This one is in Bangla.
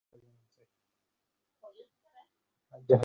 আনন্দময়ী ব্যস্ত হইয়া কহিলেন, তবেই তো মুশকিলে ফেললি।